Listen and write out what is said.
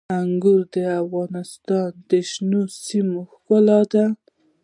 انګور د افغانستان د شنو سیمو ښکلا ده.